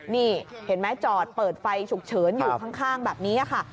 นี่เห็นไหมจอดเปิดไฟฉุกเฉินอยู่ข้างแบบนี้ค่ะ